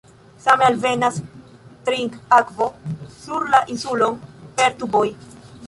Same alvenas trinkakvo sur la insulon per tuboj.